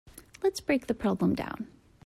Let's break the problem down.